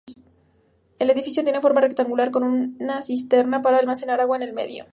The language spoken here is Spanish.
El edificio tiene forma rectangular con una cisterna para almacenar agua en el medio.